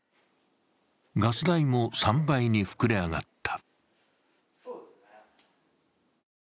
ガス代も３倍に膨れ上がった。